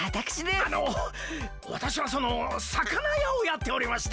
あのわたしはそのさかなやをやっておりまして。